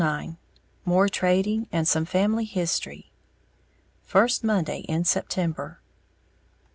IX MORE TRADING, AND SOME FAMILY HISTORY _First Monday in September.